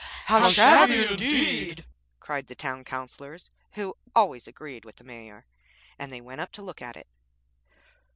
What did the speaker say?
'How shabby indeed!' cried the Town Councillors, who always agreed with the Mayor, and they went up to look at it.